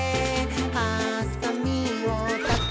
「はさみをたてます」